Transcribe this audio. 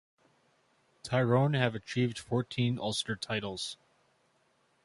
Tyrone have achieved fourteen Ulster titles.